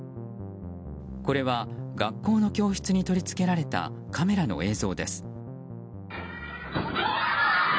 これは学校の教室に取り付けられたカメラの映像です。